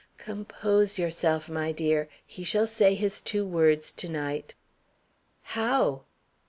"Compose yourself, my dear; he shall say his two words to night." "How?"